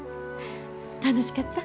楽しかった？